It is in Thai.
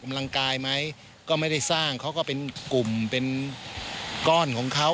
กำลังกายไหมก็ไม่ได้สร้างเขาก็เป็นกลุ่มเป็นก้อนของเขา